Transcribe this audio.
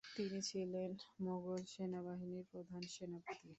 তিনি ছিলেন মোগল সৈন্যবাহিনীর প্রধান সেনাপতি।